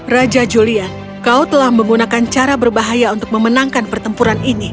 raja julian kau telah menggunakan cara berbahaya untuk memenangkan pertempuran ini